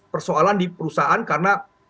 persoalan di perusahaan karena